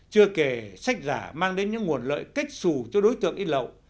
chưa kể sách giả mang đến những nguồn lợi kết xù cho đối tượng ít lậu